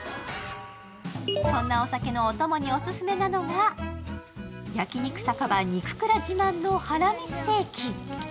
そんなお酒のお供にオススメなのが、焼肉酒場肉蔵自慢のハラミステーキ。